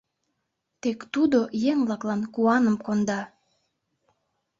Тек тудо еҥ-влаклан куаным конда.